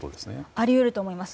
あり得ると思います。